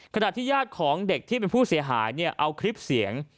ขณะที่ญาติของเด็กที่เป็นผู้เสียหายเนี่ยเอาคลิปเสียง